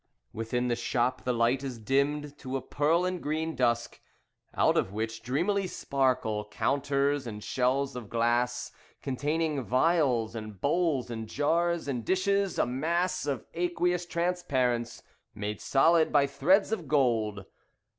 Within the shop, the light is dimmed to a pearl and green dusk Out of which dreamily sparkle counters and shelves of glass, Containing phials, and bowls, and jars, and dishes; a mass Of aqueous transparence made solid by threads of gold.